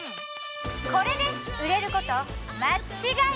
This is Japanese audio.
これで売れること間違いなし！